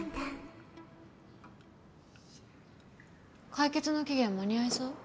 解決の期限間に合いそう？